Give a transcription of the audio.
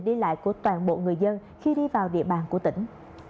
đi lại của toàn bộ người dân khi đi vào địa bàn của tỉnh